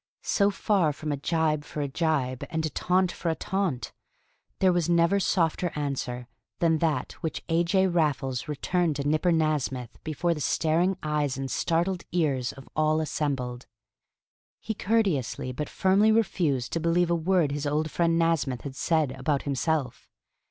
So far from a gibe for a gibe and a taunt for a taunt, there never was softer answer than that which A. J. Raffles returned to Nipper Nasmyth before the staring eyes and startled ears of all assembled. He courteously but firmly refused to believe a word his old friend Nasmyth had said about himself.